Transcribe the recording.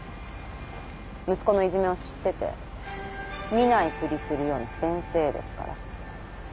息子のいじめを知ってて見ないふりするような先生ですから。